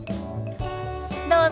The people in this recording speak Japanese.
どうぞ。